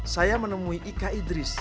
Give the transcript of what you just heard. saya menemui ika idris